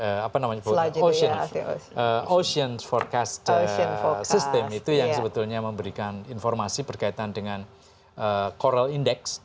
makanya tadi saya sebutkan ada ocean forecast system itu yang sebetulnya memberikan informasi berkaitan dengan coral index